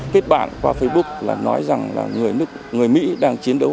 kết bạn qua facebook là nói rằng là người mỹ đang chiến đấu